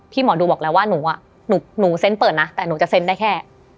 หมอดูบอกแล้วว่าหนูอ่ะหนูเซ็นเปิดนะแต่หนูจะเซ็นได้แค่